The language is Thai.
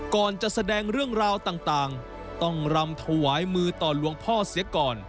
ก่อนจะแสดงเรื่องราวต่างต้องรำถวายมือต่อหลวงพ่อเสียก่อน